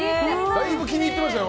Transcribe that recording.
だいぶ気に入ってましたね